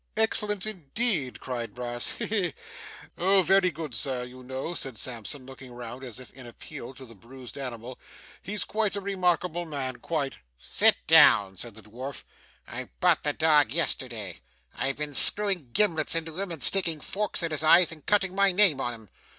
'Excellent indeed!' cried Brass. 'He he! Oh, very good Sir. You know,' said Sampson, looking round as if in appeal to the bruised animal, 'he's quite a remarkable man quite!' 'Sit down,' said the dwarf. 'I bought the dog yesterday. I've been screwing gimlets into him, and sticking forks in his eyes, and cutting my name on him.